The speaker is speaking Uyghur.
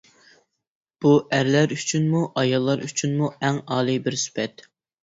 بۇ، ئەرلەر ئۈچۈنمۇ، ئاياللار ئۈچۈنمۇ ئەڭ ئالىي بىر سۈپەت.